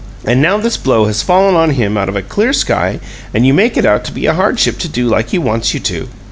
And now this blow has fallen on him out of a clear sky, and you make it out to be a hardship to do like he wants you to!